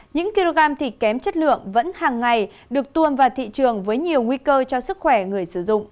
những kg thịt kém chất lượng vẫn hàng ngày được tuồn vào thị trường với nhiều nguy cơ cho sức khỏe người sử dụng